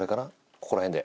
ここら辺で。